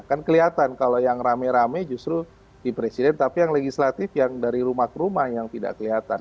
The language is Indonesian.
kan kelihatan kalau yang rame rame justru di presiden tapi yang legislatif yang dari rumah ke rumah yang tidak kelihatan